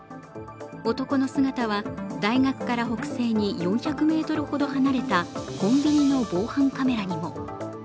男の姿は大学から北西に４００ｍほど離れたコンビニの防犯カメラにも。